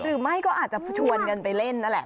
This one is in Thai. หรือไม่ก็อาจจะชวนกันไปเล่นนั่นแหละ